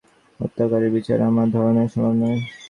প্রচলিত আইনে এ-জাতীয় হত্যাকারীর বিচার আমার ধারণায় সম্ভব নয়।